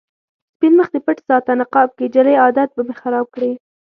سپين مخ دې پټ ساته نقاب کې، جلۍ عادت به مې خراب کړې